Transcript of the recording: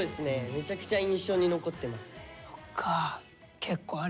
めちゃくちゃ印象に残ってます。